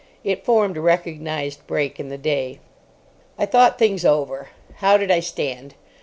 It formed a recognised break in the day. I thought things over. How did I stand?